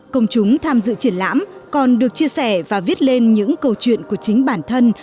công chúng tham dự triển lãm còn được chia sẻ và viết lên những câu chuyện của chính bản thân